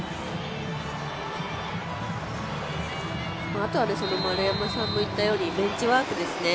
あとは丸山さんの言ったようにベンチワークですね。